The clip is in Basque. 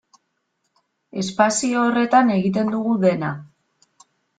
Espazio horretan egiten dugu dena.